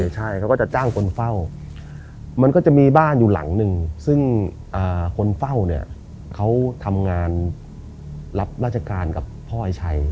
ใช่เขาก็จะจ้างคนเฝ้ามันก็จะมีบ้านอยู่หลังหนึ่งซึ่งคนเฝ้าเนี่ยเขาทำงานรับราชการกับพ่อไอ้ชัย